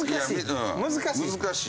難しい。